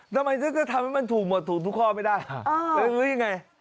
ทำไมฉันจะทำให้มันถูกหมดถูกทุกข้อไม่ได้แล้วหรือยังไง